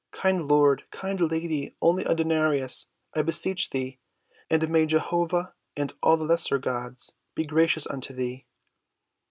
Kind lord, kind lady, only a denarius, I beseech thee, and may Jehovah and all lesser gods be gracious unto thee!"